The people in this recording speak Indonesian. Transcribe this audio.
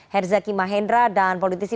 herzaki mahendra dan politisi